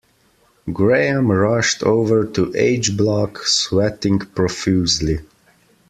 Graham rushed over to H block, sweating profusely.